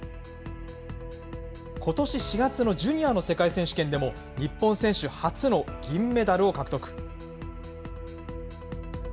ことし４月のジュニアの世界選手権でも、日本選手初の銀メダルを獲得。